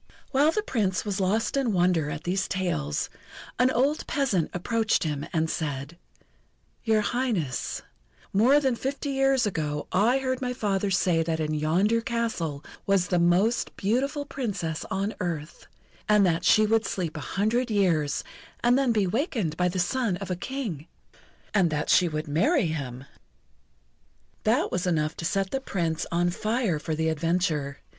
While the Prince was lost in wonder at these tales, an old peasant approached him, and said: "Your Highness, more than fifty years ago I heard my father say that in yonder castle was the most beautiful Princess on earth, and that she would sleep a hundred years and then be wakened by the son of a King, and that she would marry him." That was enough to set the Prince on fire for the adventure.